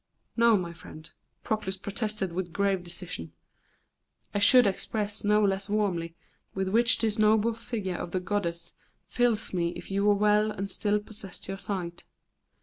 "No, my friend," Proclus protested with grave decision. "I should express no less warmly the ardent admiration with which this noble figure of the goddess fills me if you were well and still possessed your sight.